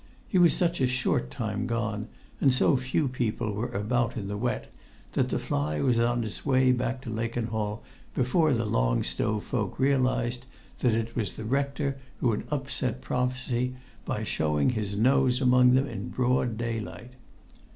He was such a short time gone, and so few people were about in the wet, that the fly was on its way back to Lakenhall before the Long Stow folk realised that it was the rector who had upset prophecy by showing his nose among them in broad daylight.